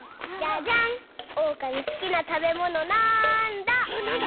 おうかのすきなたべものなんだ？